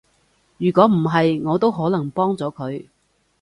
如果唔係，我都可能幫咗佢